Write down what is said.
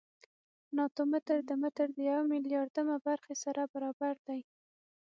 ناتو متر د متر د یو میلیاردمه برخې سره برابر دی.